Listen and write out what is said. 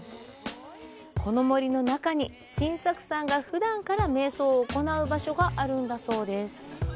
この森の中に、晋作さんがふだんから瞑想を行う場所があるんだそうです。